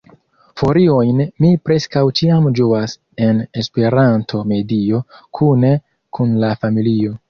Feriojn mi preskaŭ ĉiam ĝuas en Esperanto-medio, kune kun la familio.